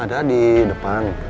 ada di depan